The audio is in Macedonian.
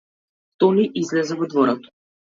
Тони излезе во дворот.